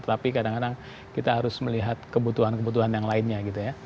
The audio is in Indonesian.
tetapi kadang kadang kita harus melihat kebutuhan kebutuhan yang lainnya